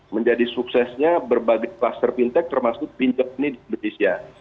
menjadi suksesnya berbagai kluster fintech termasuk pinjol ini di indonesia